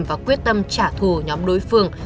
và quyết tâm trả thù nhóm đối phương